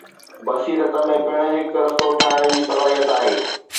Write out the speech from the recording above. بصيرت ۾ پڻ هڪ رستو ٺاهڻ جي صلاحيت آهي.